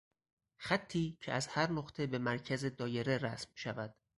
خطی که از هر نقطه به مرکز دایره رسم شود